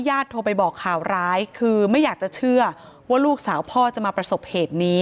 โทรไปบอกข่าวร้ายคือไม่อยากจะเชื่อว่าลูกสาวพ่อจะมาประสบเหตุนี้